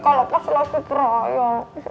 kalau pas langsung peraya